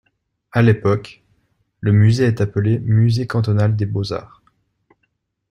À l’époque, le musée est appelé Musée cantonal des Beaux-Arts.